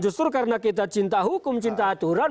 justru karena kita cinta hukum cinta aturan